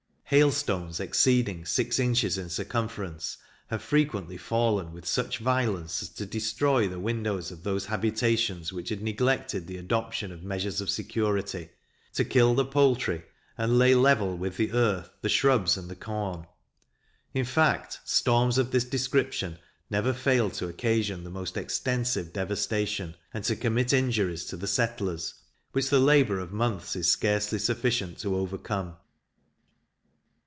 Hailstones, exceeding six inches in circumference, have frequently fallen with such violence as to destroy the windows of those habitations which had neglected the adoption of measures of security, to kill the poultry, and lay level with the earth the shrubs and the corn. In fact, storms of this description never fail to occasion the most extensive devastation, and to commit injuries to the settlers, which the labour of months is scarcely sufficient to overcome.